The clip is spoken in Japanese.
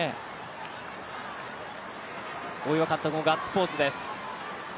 大岩監督もガッツポーズです。